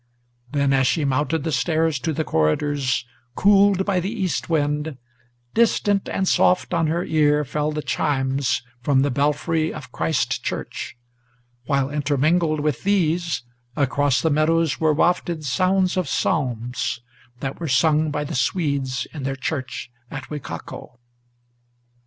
Then, as she mounted the stairs to the corridors, cooled by the east wind, Distant and soft on her ear fell the chimes from the belfry of Christ Church, While, intermingled with these, across the meadows were wafted Sounds of psalms, that were sung by the Swedes in their church at Wicaco.